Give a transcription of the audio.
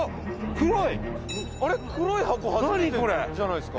黒い箱初めてじゃないですか？